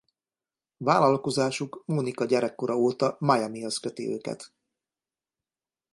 Vállalkozásuk Mónica gyerekkora óta Miamihoz köti őket.